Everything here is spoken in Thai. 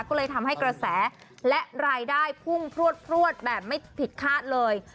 ก็เลยทำให้กระแสและรายได้พุ่งพลวดแบบไม่ผิดคาดเลย